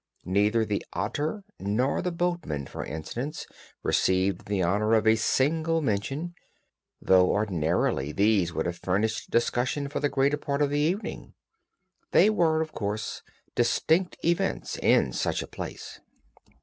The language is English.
Neither the otter nor the boatman, for instance, received the honor of a single mention, though ordinarily these would have furnished discussion for the greater part of the evening. They were, of course, distinct events in such a place.